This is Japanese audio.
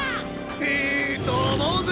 ⁉いいと思うぜ！